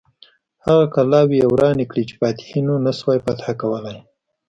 هغه کلاوې یې ورانې کړې چې فاتحینو نه سوای فتح کولای.